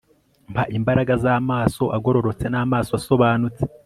mpa imbaraga z'amaso agororotse n'amaso asobanutse